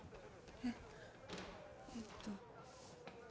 えっ？えっと。